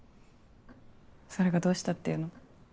それがどうしたっていうの？